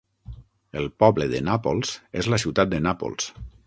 El poble de Nàpols és la ciutat de Nàpols.